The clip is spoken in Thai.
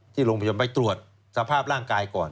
ที่โรงพยาบาลไปตรวจสภาพร่างกายก่อน